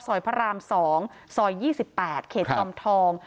พระราม๒ซอย๒๘เขตจอมทอง